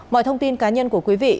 mọi thông tin cá nhân của quý vị